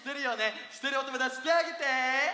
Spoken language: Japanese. しってるおともだちてあげて！